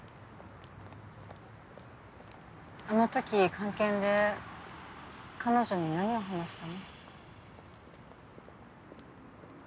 あの時菅研で彼女に何を話したの？